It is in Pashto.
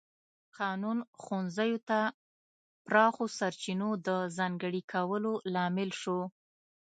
قانون ښوونځیو ته پراخو سرچینو د ځانګړي کولو لامل شو.